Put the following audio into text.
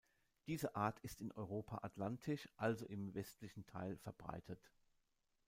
Diese Art ist in Europa atlantisch, also im westlichen Teil verbreitet.